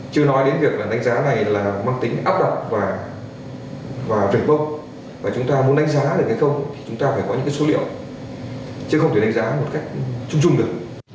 chứ không thể đánh giá một cách chung chung được